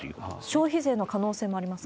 消費税の可能性もありますか？